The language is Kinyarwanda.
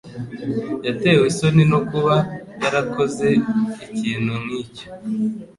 Yatewe isoni no kuba yarakoze ikintu nkicyo.